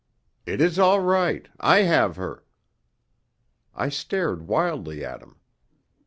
"It is all right. I have her." I stared wildly at him.